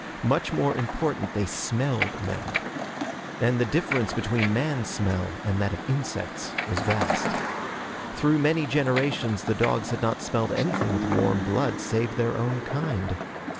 Much more important, they smelled men. And the difference between man smell and that of insects was vast. Through many generations the dogs had not smelled anything with warm blood save their own kind.